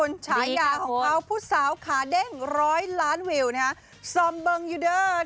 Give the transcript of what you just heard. ดีค่ะพูดชายาของเขาผู้สาวขาเด้ง๑๐๐ล้านวิวนะคะส่อมเบิ้งอยู่เดิร์ด